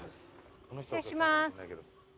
失礼します。